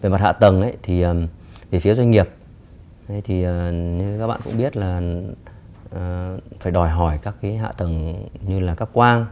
về mặt hạ tầng phía doanh nghiệp các bạn cũng biết là phải đòi hỏi các hạ tầng như là cấp quang